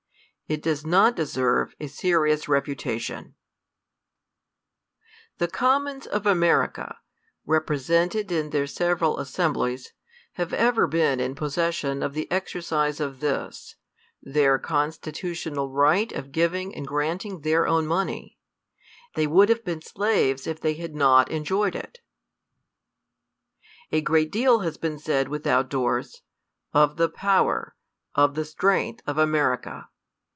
It does not deserve a serious refutation. The m THE COLUMBIAN ORATOR. The Commons of America, represented in their sev eral assemblies, have ever been in possession of the exercise of this, their constitutional right of giving and granting their ^own money. They would have been slaves if they had not enjoyed it. A great deal has been said without doors, of the power, of the strength of America.